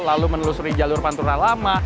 lalu menelusuri jalur pantura lama